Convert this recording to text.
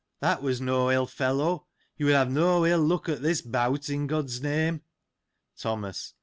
That was no ill fellow ; you would have no ill luck at this bout, in God's name. Thomas.